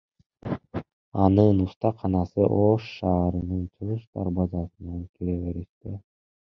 Анын устаканасы Ош шаарынын чыгыш дарбазасынан кире бериште.